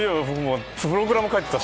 プログラムを書いてました